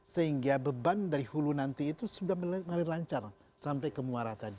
sehingga beban dari hulu nanti itu sudah melari lancar sampai ke muara tadi